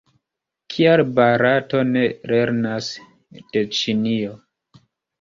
Kial Barato ne lernas de Ĉinio?